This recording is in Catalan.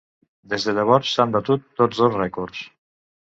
Des de llavors, s'han batut tots dos rècords.